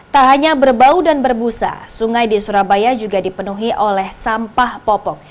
tak hanya berbau dan berbusa sungai di surabaya juga dipenuhi oleh sampah popok